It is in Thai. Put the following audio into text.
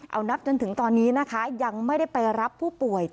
เอานับจนถึงตอนนี้นะคะยังไม่ได้ไปรับผู้ป่วย